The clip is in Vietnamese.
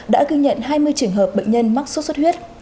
đã ghi nhận hai mươi trường hợp bệnh nhân mắc suốt suốt huyết